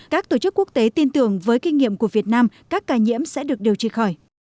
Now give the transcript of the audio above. các tổ chức quốc tế tin tưởng với kinh nghiệm của việt nam các ca nhiễm sẽ được điều trị khỏi